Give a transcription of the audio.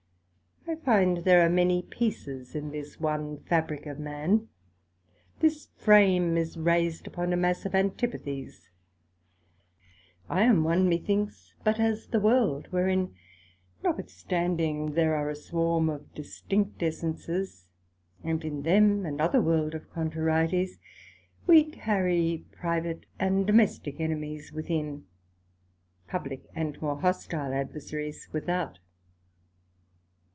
I find there are many pieces in this one fabrick of man; this frame is raised upon a mass of Antipathies: I am one methinks, but as the World; wherein notwithstanding there are a swarm of distinct essences, and in them another World of contrarieties; we carry private and domestick enemies within, publick and more hostile adversaries without.